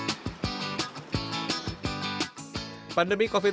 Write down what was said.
pandemi covid sembilan belas membuat pesanan dari masyarakat